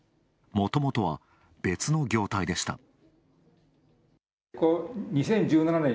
もともとは別の業態でした。